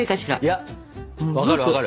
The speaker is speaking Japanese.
いや分かる分かる。